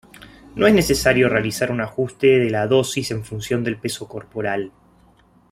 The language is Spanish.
No es necesario realizar un ajuste de la dosis en función del peso corporal.